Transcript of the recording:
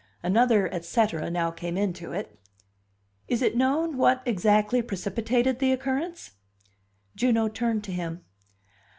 Another et cetera now came into it. "Is it known what exactly precipitated the occurrence?" Juno turned to him.